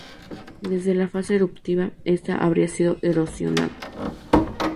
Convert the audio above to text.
Desde la fase eruptiva, esta habría sido erosionada.